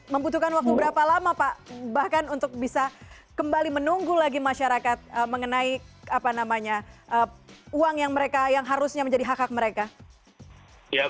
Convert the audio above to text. membutuhkan waktu berapa lama pak bahkan untuk bisa kembali menunggu lagi masyarakat mengenai uang yang mereka yang harusnya menjadi hak hak mereka